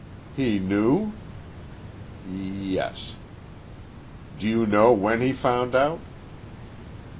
"He knew?" "Yes." "Do you know when he found out?"